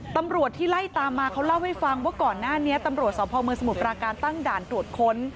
ตำรวจที่ไล่ตามมาเขาเล่าให้ฟังว่าก่อนหน้านี้ตำรวจสพเมืองสมุทรปราการตั้งด่านตรวจค้น